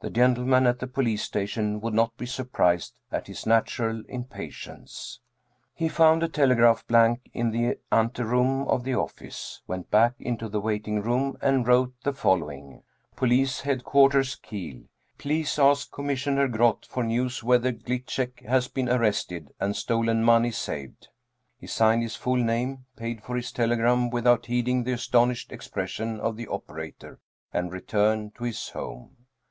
The gentlemen at the police station would not be surprised at his natural impatience. He found a telegraph blank in the anteroom of the office, 33 German Mystery Stories went back into the waiting room and wrote the following: " Police Headquarters, Kiel. Please ask Commissioner Groth for news whether Gliczek has been arrested and stolen money saved." He signed his full name, paid for his telegram without heeding the astonished expression of the operator, and returned to his home.